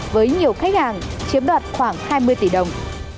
với nhiều khách hàng chiếm đoạt khoảng hai mươi tỷ đồng